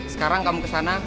sekarang kamu kesana